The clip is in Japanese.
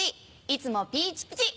いつもピチピチ。